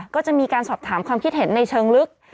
ก็จะมีการสอบถามความคิดเห็นในเชิงลึก